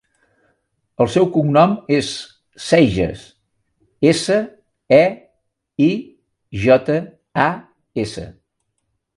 El seu cognom és Seijas: essa, e, i, jota, a, essa.